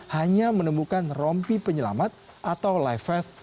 hanya menemukan rompi penyelamat atau live vest